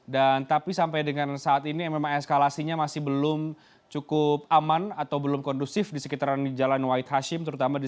dan tapi sampai dengan saat ini memang eskalasinya masih belum cukup aman atau belum kondusif di sekitaran jalan wahid hashim